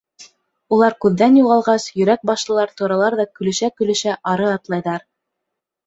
Улар күҙҙән юғалғас, Йөрәк башлылар торалар ҙа көлөшә-көлөшә ары атлайҙар.